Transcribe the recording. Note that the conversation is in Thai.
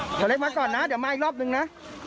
เขาเล็กมาก่อนนะเดี๋ยวมาอีกรอบนึงนะ